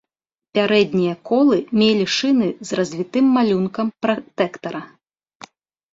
Пярэднія колы мелі шыны з развітым малюнкам пратэктара.